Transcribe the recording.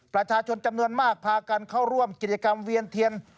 ประชาชนจำนวนมากพากันเข้าร่วมกิจกรรมเวียนเทียน